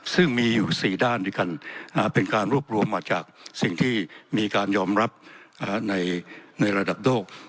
ซึ่งมีอยู่๔ด้านด้วยกันเป็นการรวบรวมมาจากสิ่งที่มีการยอมรับในระดับโลก